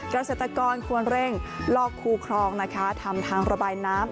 เกษตรกรควรเร่งลอกคูครองนะคะทำทางระบายน้ำ